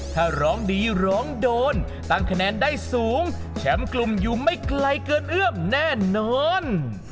ถ้าร้องดีร้องโดนตั้งคะแนนได้สูงแชมป์กลุ่มอยู่ไม่ไกลเกินเอื้อมแน่นอน